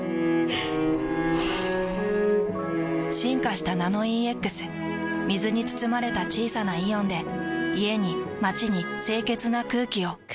ふぅ進化した「ナノイーＸ」水に包まれた小さなイオンで家に街に清潔な空気を。